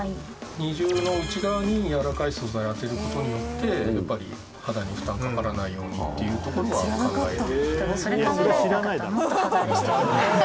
二重の内側に柔らかい素材を当てる事によってやっぱり肌に負担かからないようにっていうところは考えて。